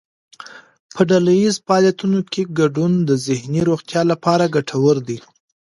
په ډلهییز فعالیتونو کې ګډون د ذهني روغتیا لپاره ګټور دی.